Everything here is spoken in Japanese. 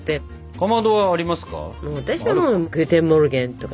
かまどはありますか？